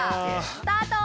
スタート！